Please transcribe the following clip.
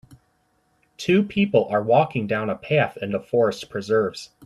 Two people are walking down a path in the forest preserves.